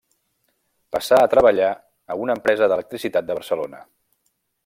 Passà a treballar a una empresa d'electricitat de Barcelona.